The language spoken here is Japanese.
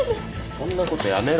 そんなことやめろ。